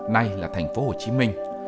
nay là thành phố hồ chí minh